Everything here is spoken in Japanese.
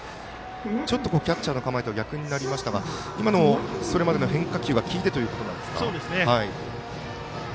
ちょっとキャッチャーの構えと逆になりましたがそれまでの変化球が効いてということですか。